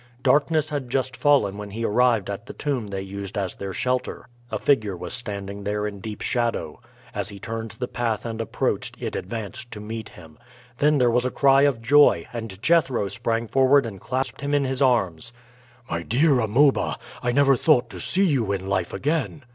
Darkness had just fallen when he arrived at the tomb they used as their shelter. A figure was standing there in deep shadow. As he turned the path and approached, it advanced to meet him. Then there was a cry of joy, and Jethro sprang forward and clasped him in his arms. "My dear Amuba, I never thought to see you in life again!"